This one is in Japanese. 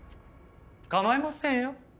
構いませんよ。